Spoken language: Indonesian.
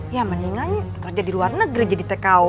ya mendingan kerja di luar negeri jadi tko